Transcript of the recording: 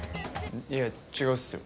いや違うっすよ。